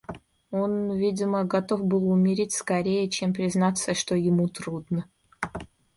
Он, видимо, готов был умереть скорее, чем признаться, что ему трудно.